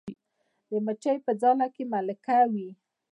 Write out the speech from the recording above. د مچۍ په ځاله کې ملکه وي